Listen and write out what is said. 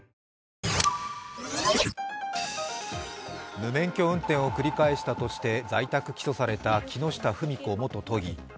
無免許運転を繰り返したとして在宅起訴された木下富美子元都議。